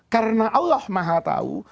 karena allah maha tau